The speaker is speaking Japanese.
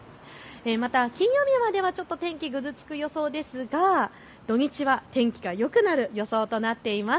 また金曜日までは天気、ちょっとぐずつく予想ですが土日は天気がよくなる予想となっています。